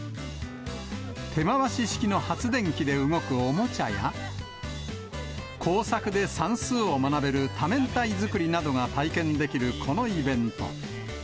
手回し式の発電機で動くおもちゃや、工作で算数を学べる多面体作りなどが体験できるこのイベント。